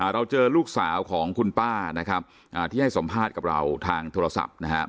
เราเจอลูกสาวของคุณป้านะครับที่ให้สัมภาษณ์กับเราทางโทรศัพท์นะครับ